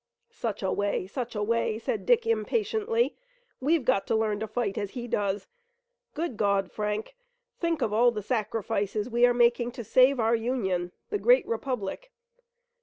"Such a way! Such a way!" said Dick impatiently. "We've got to learn to fight as he does. Good God, Frank, think of all the sacrifices we are making to save our Union, the great republic!